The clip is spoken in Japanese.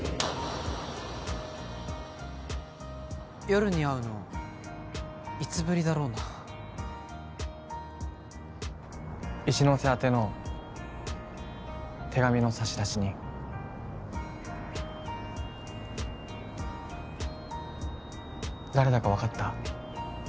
夜に会うのいつぶりだろうな一ノ瀬宛ての手紙の差出人誰だか分かった？